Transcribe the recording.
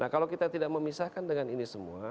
nah kalau kita tidak memisahkan dengan ini semua